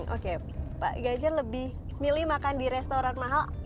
oke pak ganjar lebih milih makan di restoran mahal